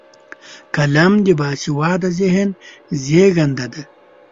قلم د باسواده ذهن زیږنده ده